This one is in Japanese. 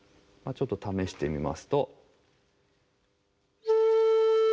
ちょっと試してみますと。